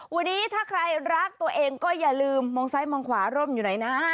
วันนี้ถ้าใครรักตัวเองก็อย่าลืมมองซ้ายมองขวาร่มอยู่ไหนนะ